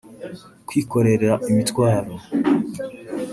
kwikorera imitwaro